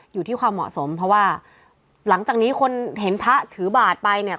อยู่ที่ความเหมาะสมเพราะว่าหลังจากนี้คนเห็นพระถือบาทไปเนี่ย